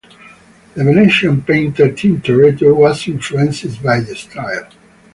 The Venetian painter Tintoretto was influenced by the style.